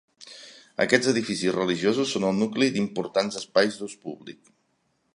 Aquests edificis religiosos són el nucli d'importants espais d'ús públic.